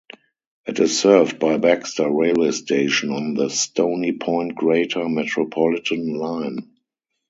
It is served by Baxter railway station on the Stony Point greater-metropolitan line.